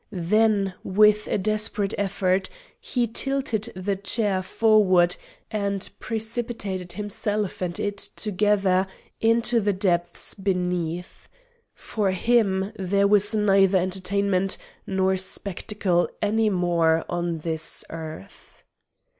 Then, with a desperate effort, he tilted the chair forward, and precipitated himself and it together into the depths beneath. For him there was neither entertainment nor spectacle any more on this earth.